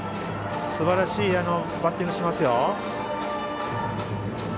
すばらしいバッティングをしますよ。